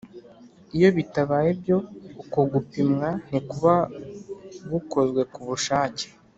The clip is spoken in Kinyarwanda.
iyo bitabaye ibyo uko gupimwa ntikuba gukozwe kubushake